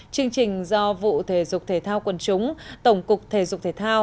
chương trình do vụ thể dục thể thao quần chúng tổng cục thể dục thể thao